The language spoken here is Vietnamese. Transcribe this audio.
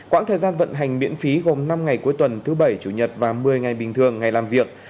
quãng thời gian vận hành miễn phí gồm năm ngày cuối tuần thứ bảy chủ nhật và một mươi ngày bình thường ngày làm việc